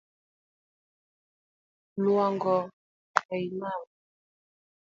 Iwang’o I mama